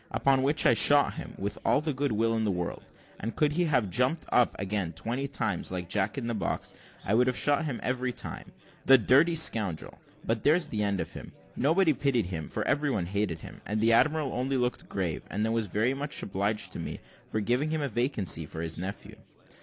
Upon which I shot him, with all the good will in the world, and could he have jumped up again twenty times, like Jack in the box, I would have shot him every time. The dirty scoundrel! but there's an end of him. Nobody pitied him, for every one hated him; and the admiral only looked grave, and then was very much obliged to me for giving him a vacancy for his nephew.